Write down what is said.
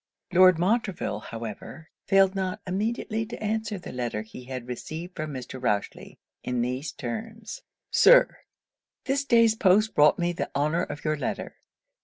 Lord Montreville, however, failed not immediately to answer the letter he had received from Mr. Rochely, in these terms 'Sir, 'This day's post brought me the honour of your letter.